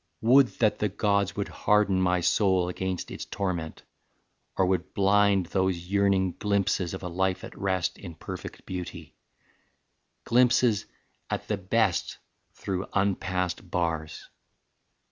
Would that the gods would harden My soul against its torment, or would blind Those yearning glimpses of a life at rest In perfect beauty glimpses at the best Through unpassed bars.